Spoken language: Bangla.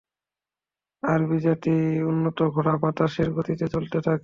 আরবি জাতের উন্নত ঘোড়া বাতাসের গতিতে চলতে থাকে।